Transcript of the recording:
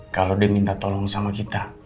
kalau dia minta tolong sama kita